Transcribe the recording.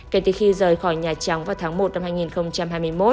kể từ khi rời khỏi nhà trắng vào tháng một năm hai nghìn hai mươi một